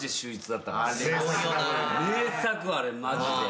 名作あれマジで。